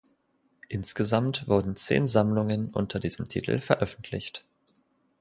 Insgesamt wurden zehn Sammlungen unter diesem Titel veröffentlicht.